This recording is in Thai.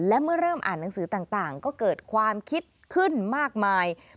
และเมื่อเริ่มอ่านหนังสือต่างก็เกิดความคิดขึ้นมากมาย